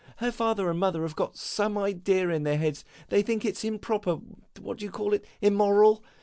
Her father and mother have got some idea in their heads; they think it 's improper what do you call it? immoral.